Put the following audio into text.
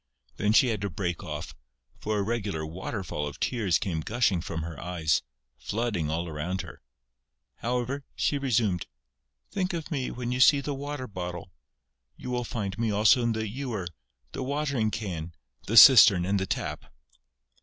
Then she had to break off, for a regular waterfall of tears came gushing from her eyes, flooding all around her. However, she resumed: "Think of me when you see the water bottle.... You will find me also in the ewer, the watering can, the cistern and the tap...."